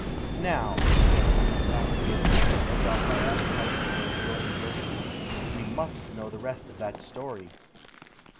"Now," said he, after we had taken the edge off our appetites and were enjoying the Burgundy, "we must know the rest of that story."